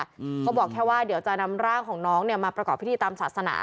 เขาบอกแค่ว่าเดี๋ยวจะนำร่างของน้องเนี้ยมาประกอบพิธีตามศาสนา